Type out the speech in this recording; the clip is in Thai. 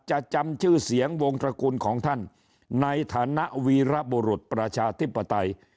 จำชื่อเสียงวงตระกูลของท่านในฐานะวีรบุรุษประชาธิปไตย